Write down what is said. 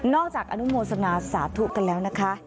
จากอนุโมสนาสาธุกันแล้วนะคะ